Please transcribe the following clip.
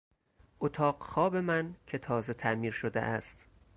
اتاق خواب من که تازه تعمیر شده است